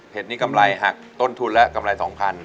เหตุนี้กำไรหักต้นทุนแล้วกำไร๒๐๐๐บาท